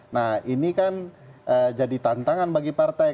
nah ini kan jadi tantangan bagi partai